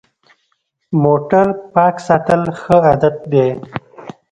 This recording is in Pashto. موټر پاک ساتل ښه عادت دی.